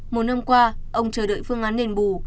một năm qua ông chờ đợi phương án đền bù